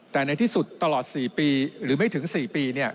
แต่ในที่สุดตลอด๔ปีหรือไม่ถึง๔ปี